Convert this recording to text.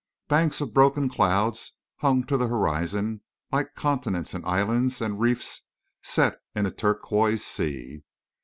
Banks of broken clouds hung to the horizon, like continents and islands and reefs set in a turquoise sea.